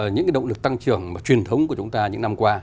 những động lực tăng trưởng truyền thống của chúng ta những năm qua